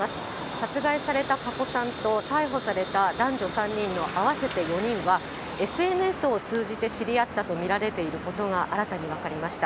殺害された加古さんと逮捕された男女３人の合わせて４人は、ＳＮＳを通じて知り合ったと見られていることが新たに分かりました。